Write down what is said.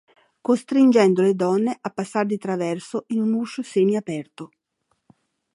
Costringendo le donne a passar di traverso in un uscio semi-aperto.